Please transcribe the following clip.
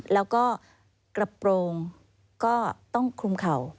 แล้วก็กระโปรงก็ต้องคลุมเข่า